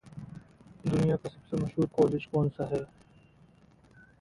दुनिया का सबसे मशहूर कॉलेज कौन सा है?